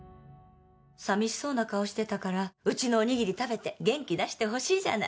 寂しそうな顔してたから、うちのおにぎり食べて元気出してほしいじゃない。